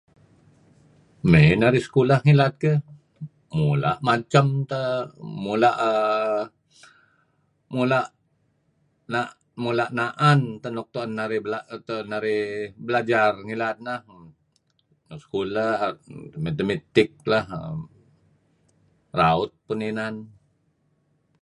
Mei narih sekulah ngilad keh mula' macam teh err mula' err mula' na'an teh nuk tu'en narih belajar ngilad neh err Mathematic lah raut pun inan.